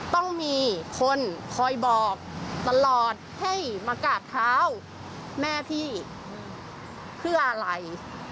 ต้องมีคนคอยบอกตลอดให้มากราบเท้าแม่พี่เพื่ออะไร